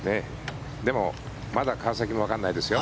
でも、まだ川崎もわからないですよ。